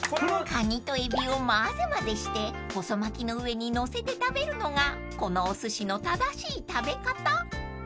［カニとエビを交ぜ交ぜして細巻きの上にのせて食べるのがこのおすしの正しい食べ方］